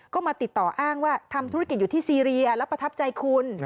ก็มาติดต่ออ้างว่าทำธุรกิจอยู่ที่ซีเรียแล้วประทับใจคุณ